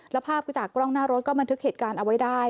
แล้วภาพจากกล้องหน้ารถก็บันทึกเหตุการณ์เอาไว้ได้